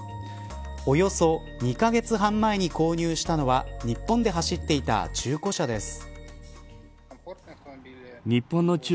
およそ２カ月半前に購入したのは日本で走っていた中古車です。